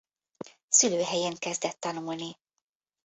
Szülőhelyén kezdett tanulni.